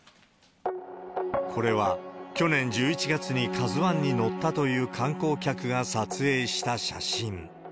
これは去年１１月にＫＡＺＵＩに乗ったという観光客が撮影した写真。